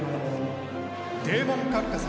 デーモン閣下様